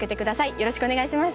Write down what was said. よろしくお願いします。